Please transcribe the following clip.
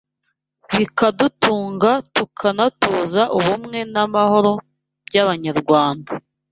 Bikadutunga tukanatuza Ubumwe n’amahoro by’Abanyarwanda